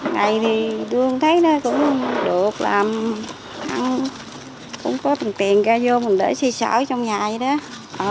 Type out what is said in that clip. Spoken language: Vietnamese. ngày thì đương thấy cũng được làm cũng có tầng tiền ra vô mình để xây xã trong nhà vậy đó